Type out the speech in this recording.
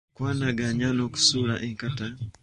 Kwanaganya n’okusuula enkata.